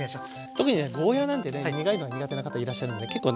特にねゴーヤーなんてね苦いのが苦手な方いらっしゃるんで結構ね